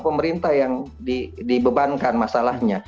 pemerintah yang dibebankan masalahnya